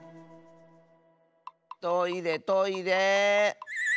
トイレトイレ。